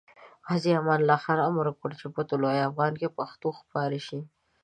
غازي امان الله خان امر وکړ چې په طلوع افغان کې پښتو خپاره شي.